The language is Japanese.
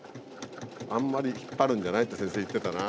あんまり引っ張るんじゃないって先生言ってたな。